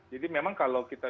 jadi memang kalau kita